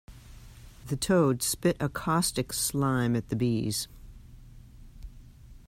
The toad spit a caustic slime at the bees.